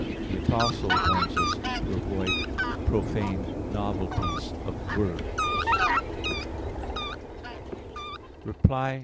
The Apostle warns us to avoid "profane novelties of words" (1 Tim.